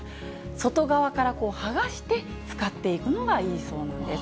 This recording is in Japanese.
外側から剥がして使っていくのがいいそうなんです。